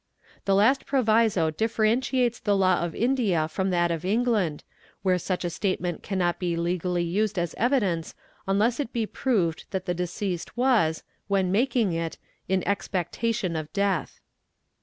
The' last proviso differentiates the law of India from that of England, where such a statement cannot be legally used — as evidence unless it be proved that the deceased was, when making it, | 'in expectation of death.